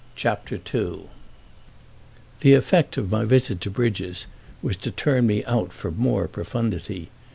CHAPTER II THE effect of my visit to Bridges was to turn me out for more profundity.